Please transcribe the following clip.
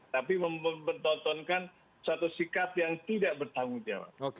tapi mempertontonkan suatu sikap yang tidak bertanggung jawab